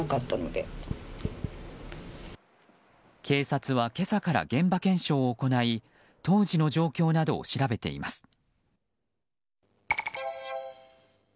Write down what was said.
警察は今朝から現場検証を行い当時の状況などを調べています。